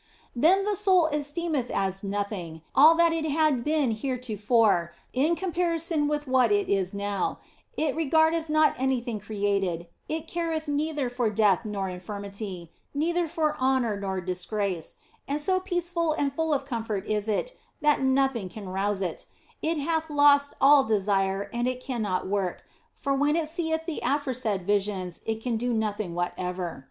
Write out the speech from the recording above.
Then the soul esteemeth as nothing all that it had been heretofore in comparison with what it is now ; it regardeth not anything created, it careth neither for death nor infirmity, neither for honour nor disgrace, and so peaceful and full of comfort is it that nothing can rouse it ; it hath lost all desire and it cannot work, for when it seeth the aforesaid visions it can do nothing whatever.